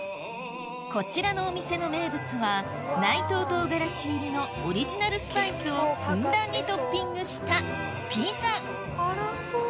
こちらのお店の名物は内藤とうがらし入りのオリジナルスパイスをふんだんにトッピングしたピザ辛そう。